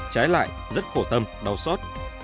trái lại rất khổ tâm đau xót